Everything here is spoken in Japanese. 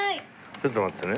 ちょっと待ってね。